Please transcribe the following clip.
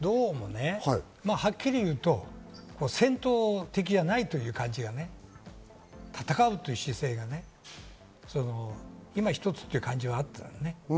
はっきり言うと戦闘的でないという感じがね、戦うという姿勢がね、今ひとつという感じはあったんだね。